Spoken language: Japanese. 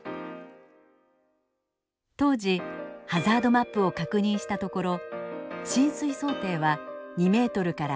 当時ハザードマップを確認したところ浸水想定は２ｍから３ｍ。